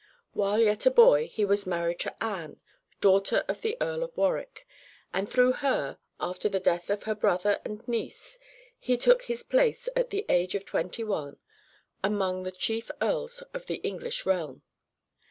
While yet a boy he was married to Anne, daughter of the Earl of Warwick, and through her, after the death of her brother and niece, he took his place at the age of twenty one among the chief earls of the English realm.